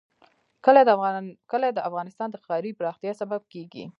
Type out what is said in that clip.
کلي د افغانستان د ښاري پراختیا سبب کېږي.